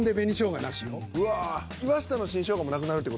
うわ！